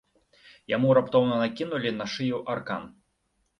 Яму раптоўна накінулі на шыю аркан.